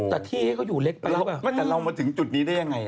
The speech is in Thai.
แต่ที่เค้าอยู่เล็กประลับอะแต่เรามาถึงจุดนี้ได้ยังไง